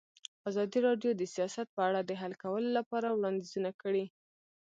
ازادي راډیو د سیاست په اړه د حل کولو لپاره وړاندیزونه کړي.